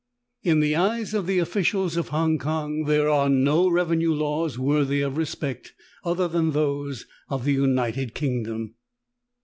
In the eyes of the officials of Hong Kong there are no revenue laws worthy of respect, other than those of the United Kingdom.